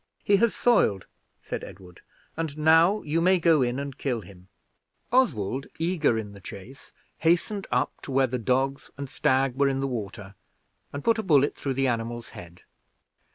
"He has soiled," said Edward, "and now you may go in and kill him." Oswald, eager in the chase, hastened up to where the dogs and stag were in the water, and put a bullet through the animal's head.